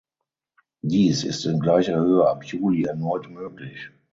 Dies ist in gleicher Höhe ab Juli erneut möglich.